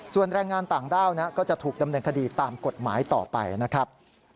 ส่วนแรงงานต่างด้าวก็จะถูกดำเนินคดีตามกฎหมายต่อไปนะครับ